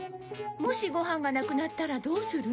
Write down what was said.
もしご飯がなくなったらどうする？